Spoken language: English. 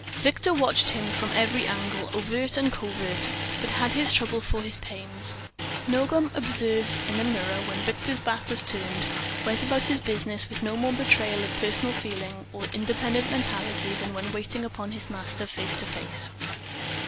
Victor watched him from every angle, overt and covert, but had his trouble for his pains; Nogam, observed in a mirror, when Victor's back was turned, went about his business with no more betrayal of personal feeling or independent mentality than when waiting upon his master face to face.